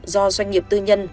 do doanh nghiệp tư nhân